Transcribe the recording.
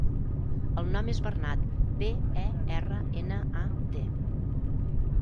El nom és Bernat: be, e, erra, ena, a, te.